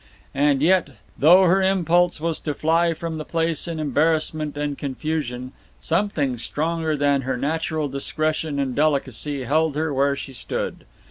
And yet, though her impulse was to fly from the place in embarrassment and confusion, something stronger than her natural discretion and delicacy held her where she stood.